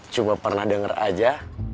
cuma pernah denger aja